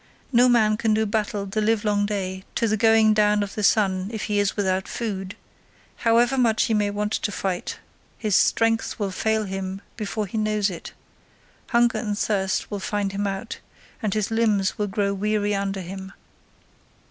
No man can do battle the livelong day to the going down of the sun if he is without food; however much he may want to fight his strength will fail him before he knows it; hunger and thirst will find him out, and his limbs will grow weary under him.